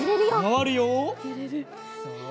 まわるよ。